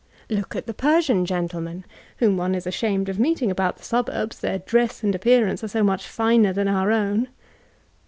— Look at the Persian gentlemen, whom one is ashamed oi meetii^ about the sabmbs, their dress and appearance are so moch finer than oar own.